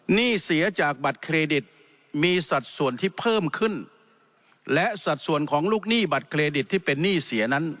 หนี้เสียจากบัตรเครดิตมีสัดส่วนที่เพิ่มขึ้นและสัดส่วนของลูกหนี้บัตรเครดิตที่เป็นหนี้เสียนั้น